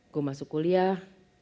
gue masuk kuliah